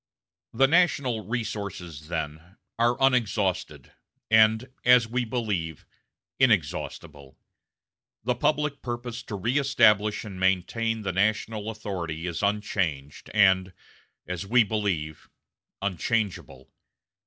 "The national resources, then, are unexhausted, and, as we believe, inexhaustible. The public purpose to reëstablish and maintain the national authority is unchanged and, as we believe, unchangeable.